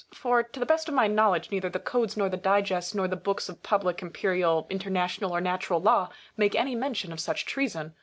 For, to the best of my knowledge neither the Codes, nor the Digest, nor the books of public, imperial, international, or natural law, make any mention of such treason.